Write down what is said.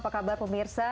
apa kabar pemirsa